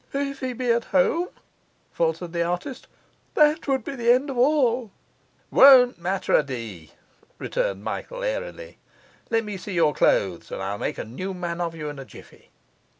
'If he be at home?' faltered the artist. 'That would be the end of all.' 'Won't matter a d ,' returned Michael airily. 'Let me see your clothes, and I'll make a new man of you in a jiffy.